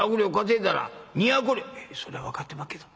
「それは分かってまっけど。